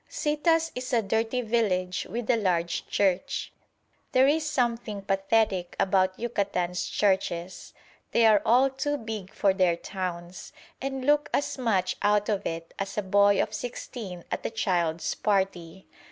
Citas is a dirty village with a large church. There is something pathetic about Yucatan's churches. They are all too big for their towns, and look as much out of it as a boy of sixteen at a child's party.